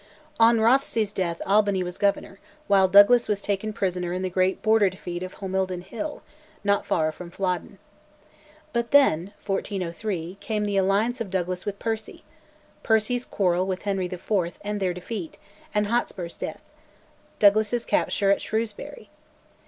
On Rothesay's death Albany was Governor, while Douglas was taken prisoner in the great Border defeat of Homildon Hill, not far from Flodden. But then (1403) came the alliance of Douglas with Percy; Percy's quarrel with Henry IV. and their defeat; and Hotspur's death, Douglas's capture at Shrewsbury.